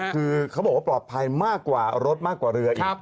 คือเขาบอกว่าปลอดภัยมากกว่ารถมากกว่าเรืออีก